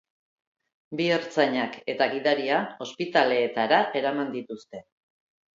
Bi ertzainak eta gidaria ospitaleetara eraman dituzte.